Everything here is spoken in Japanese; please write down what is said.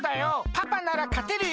パパならかてるよ。